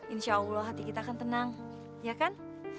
insya allah hati kita akan tenang ya kan